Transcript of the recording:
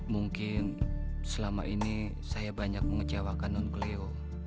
mungkin selama ini saya banyak mengecewakan non beliau